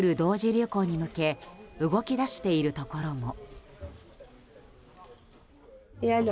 流行に向け動き出しているところも。